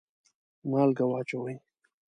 مالګه واچوئ